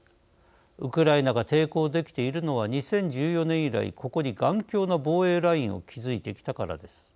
ウクライナが抵抗できているのは２０１４年以来ここに頑強な防衛ラインを築いてきたからです。